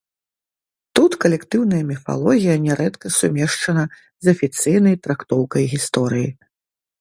Тут калектыўная міфалогія нярэдка сумешчана з афіцыйнай трактоўкай гісторыі.